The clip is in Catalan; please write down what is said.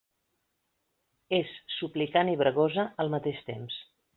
És suplicant i bregosa al mateix temps.